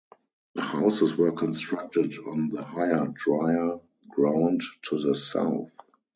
Houses were constructed on the higher drier ground to the south.